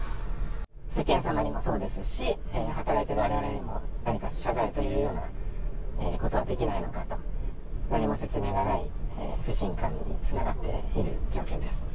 世間様にもそうですし、働いている我々にも何か謝罪というようなことはできないのかと、何も説明がない不信感につながっている状況です。